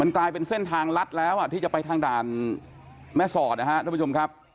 กลายเป็นเส้นทางลัดแล้วที่จะไปทางด่านแม่สอดนะครับทุกผู้ชมครับ